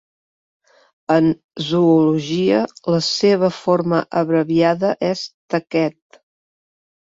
En zoologia la seva forma abreviada és Taquet.